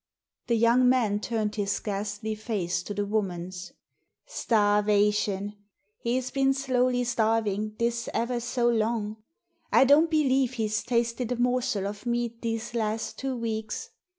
The young man turned his ghastly face to the woman's. "Starvation. He's been slowly starving this ever so long. I don't believe he's tasted a morsel of meat these last two weeks.